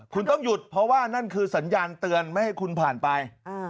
คุณต้องหยุดเพราะว่านั่นคือสัญญาณเตือนไม่ให้คุณผ่านไป